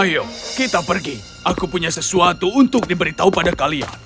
ayo kita pergi aku punya sesuatu untuk diberitahu pada kalian